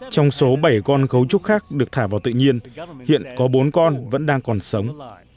trong số bảy con cấu trúc khác được thả vào tự nhiên hiện có bốn con vẫn đang còn sống